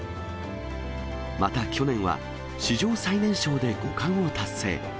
また去年は、史上最年少で五冠を達成。